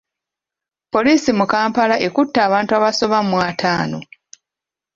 Poliisi mu Kampala ekutte abantu abasoba mu ataano.